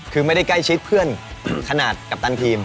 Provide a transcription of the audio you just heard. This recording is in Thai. คือไม่ได้ใกล้ชิดเพื่อนขนาดกัปตันทีม